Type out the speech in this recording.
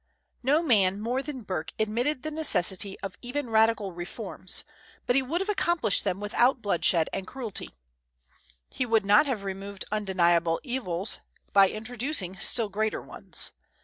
No man more than Burke admitted the necessity of even radical reforms, but he would have accomplished them without bloodshed and cruelties. He would not have removed undeniable evils by introducing still greater ones.